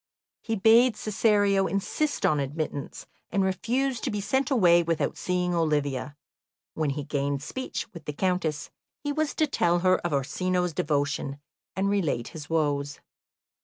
He bade Cesario insist on admittance, and refuse to be sent away without seeing Olivia. When he gained speech with the Countess, he was to tell her of Orsino's devotion, and relate his woes.